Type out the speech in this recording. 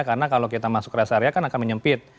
karena kalau kita masuk res area kan akan menyempit